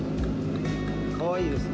かわいいですね。